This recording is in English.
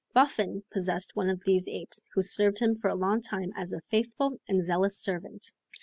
Buffon possessed one of these apes, who served him for a long time as a faithful and zealous servant.